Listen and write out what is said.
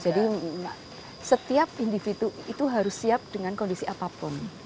jadi setiap individu itu harus siap dengan kondisi apapun